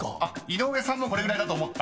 ［井上さんもこれぐらいだと？］